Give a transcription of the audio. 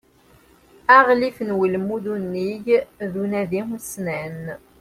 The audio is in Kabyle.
Aɣlif n ulmud unnig d unadi ussnan.